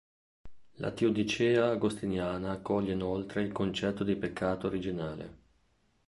La teodicea agostiniana accoglie inoltre il concetto di peccato originale.